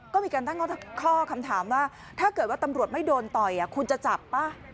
ก็มีการตั้งข้อคำถามว่าถ้าเกิดว่าตำรวจไม่โดนต่อยคุณจะจับป่ะ